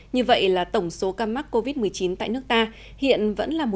như vậy là tổng số ca mắc covid một mươi chín tại nước ta hiện vẫn là một bảy mươi bảy ca